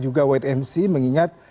juga white mc mengingat